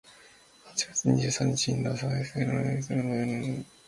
八月二十三日、インドの探査機が月面着陸に成功したそうです！（これは歴史上四カ国目！）